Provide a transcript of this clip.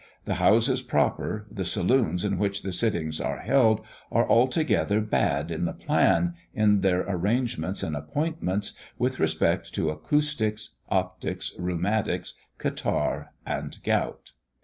The Houses proper, the saloons in which the sittings are held, are altogether bad in the plan, in their arrangements and appointments, with respect to acoustics, optics, rheumatics, catarrh, and gout.